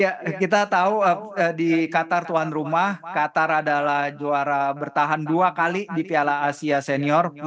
ya kita tahu di qatar tuan rumah qatar adalah juara bertahan dua kali di piala asia senior